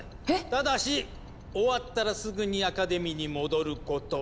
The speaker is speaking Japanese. ただし終わったらすぐにアカデミーに戻ること。